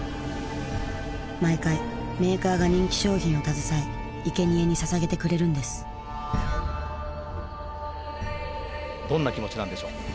毎回メーカーが人気商品を携えいけにえにささげてくれるんですどんな気持ちなんでしょうか？